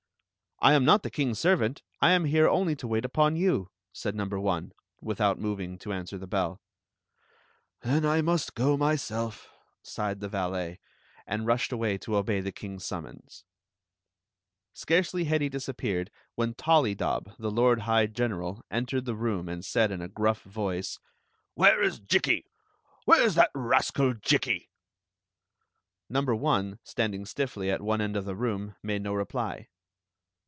"I am not the kings servant; I am here only to wait upon you," said number one, without moving to answer the belL Story of the Magic Cloak ,,5 "Then I must go myself/' sighed the valet, and rushed away to obey the kings summons. Scarcely had he disappeared when ToUydob, the lord high general, entered the room and said in a gruff voice: " Where is Jikki ? Where s that rascal Jikki ?" Number one, standing stiffly at one end of the room, made no reply.